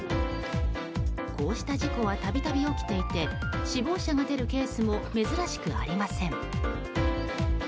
こうした事故は度々起きていて死亡者が出るケースも珍しくありません。